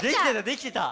できてた！